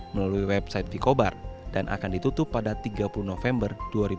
melalui website pikobar dan akan ditutup pada tiga puluh november dua ribu dua puluh